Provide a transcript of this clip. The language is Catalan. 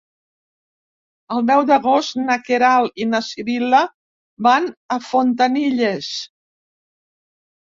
El deu d'agost na Queralt i na Sibil·la van a Fontanilles.